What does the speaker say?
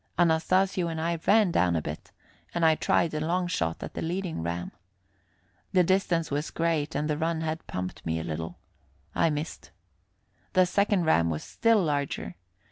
Anastasio and I ran down a bit, and I tried a long shot at the leading ram. The distance was great, and the run had pumped me a little. I missed. The second ram was still larger.